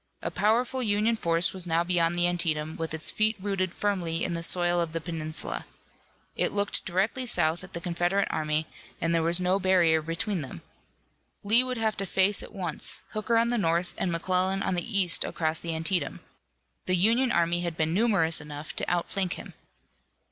A powerful Union force was now beyond the Antietam, with its feet rooted firmly in the soil of the peninsula. It looked directly south at the Confederate army and there was no barrier between. Lee would have to face at once, Hooker on the north and McClellan on the east across the Antietam. The Union army had been numerous enough to outflank him.